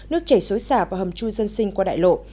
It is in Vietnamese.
nước chảy xối xả và hầm chui dân sinh qua đại lộ